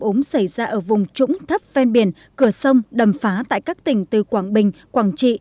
ống xảy ra ở vùng trũng thấp ven biển cửa sông đầm phá tại các tỉnh từ quảng bình quảng trị